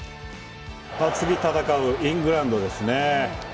次戦うイングランドですね。